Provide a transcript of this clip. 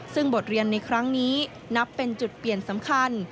ซึ่งบทเรียนในครั้งนี้นับเป็นจุดเปลี่ยนสำคัญ